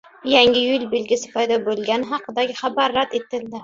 Yangi yo‘l belgisi paydo bo‘lgani haqidagi xabar rad etildi